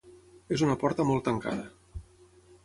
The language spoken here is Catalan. És una porta molt tancada.